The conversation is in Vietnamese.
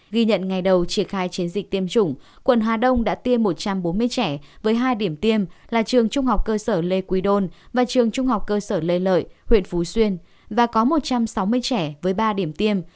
ghi nhận ngày đầu triển khai chiến dịch tiêm chủng quận hà đông đã tiêm một trăm bốn mươi trẻ với hai điểm tiêm là trường trung học cơ sở lê quý đôn và trường trung học cơ sở lê lợi huyện phú xuyên và có một trăm sáu mươi trẻ với ba điểm tiêm